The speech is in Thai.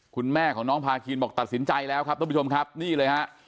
คุณแม่ของน้องพาคินบอกตัดสินใจแล้วครับท่านผู้ชมครับนี่เลยฮะ